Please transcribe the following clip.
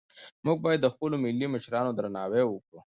موږ باید د خپلو ملي مشرانو درناوی وکړو.